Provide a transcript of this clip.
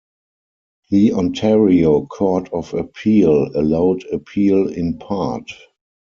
The Ontario Court of Appeal allowed appeal in part.